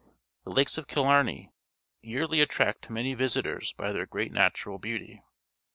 The Lakes of Killnrney yearly at tract many visitors by their great natural beauty.